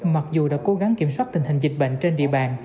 mặc dù đã cố gắng kiểm soát tình hình dịch bệnh trên địa bàn